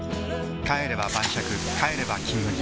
帰れば晩酌帰れば「金麦」